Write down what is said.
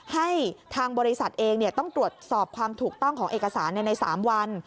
ให้ทางบริษัทเองต้องตรวจสอบความถูกต้องของเอกสารใน๓วัน